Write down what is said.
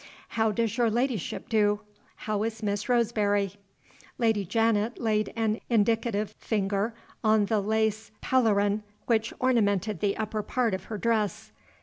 How does your ladyship do? How is Miss Roseberry?" Lady Janet laid an indicative finger on the lace pelerine which ornamented the upper part of her dress.